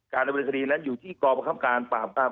ดำเนินคดีนั้นอยู่ที่กรประคับการปราบปราม